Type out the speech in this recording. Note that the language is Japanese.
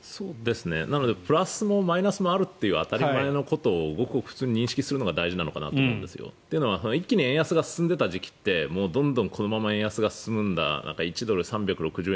なのでプラスもマイナスもあるという当たり前のことを普通に認識するのが大事だと思うんですよ。というのは一気に円安が進んでいた時期ってどんどんこのまま円安が進むんだ１ドル＝３６０円